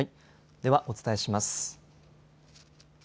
ではお伝えします。